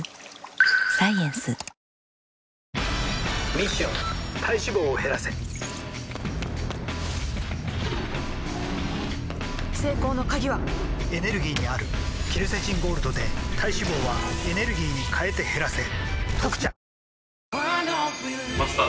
ミッション体脂肪を減らせ成功の鍵はエネルギーにあるケルセチンゴールドで体脂肪はエネルギーに変えて減らせ「特茶」